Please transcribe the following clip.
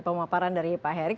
pemaparan dari pak herik